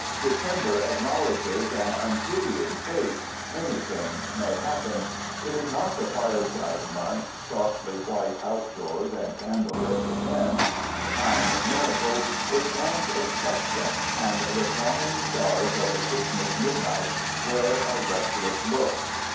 December acknowledges an unpitying fate—anything may happen. It is not the fireside month, softly white outdoors and candlelit within. Time of miracles, it stands expectant, and the thronging stars of the Christmas midnight wear a restless look.